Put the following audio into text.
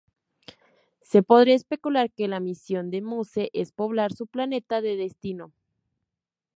Se podría especular que la misión de Muse es poblar su planeta de destino.